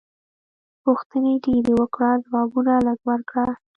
پوښتنې ډېرې وکړه ځوابونه لږ ورکړه.